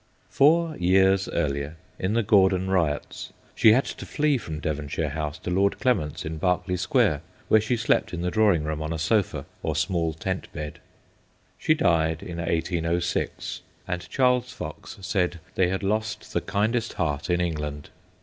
Four years earlier, in the Gordon Riots, she had to flee from Devonshire House to Lord Clement's in Berkeley Square, where she slept in the drawing room on a sofa or small tent bed. She died in 1806, and Charles Fox said they had lost the kindest heart in England.